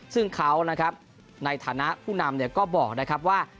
ซึ่งเขานะครับในฐานะผู้นำก็บอกนะครับว่า